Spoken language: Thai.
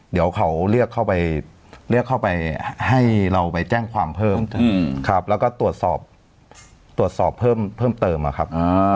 เดี๋ยวเขาเรียกเข้าไปให้เราไปแจ้งความเพิ่มแล้วก็ตรวจสอบเพิ่มเติมละครับ